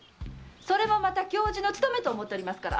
それもまた教授の務めと思っておりますから！